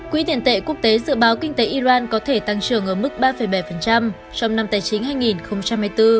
quỹ tiền tệ quốc tế dự báo kinh tế iran có thể tăng trưởng ở mức ba bảy trong năm tài chính hai nghìn hai mươi bốn